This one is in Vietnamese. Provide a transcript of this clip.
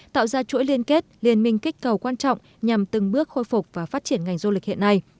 tạo ra chuỗi liên kết liên minh kích cầu quan trọng nhằm từng bước khôi phục và phát triển ngành du lịch hiện nay